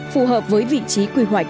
phù hợp với vị trí quy hoạch